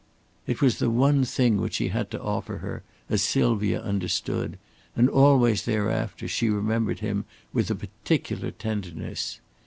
It was the one thing which he had to offer her, as Sylvia understood, and always thereafter she remembered him with a particular tenderness.